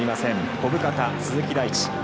小深田、鈴木大地。